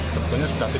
sebenarnya sudah tidak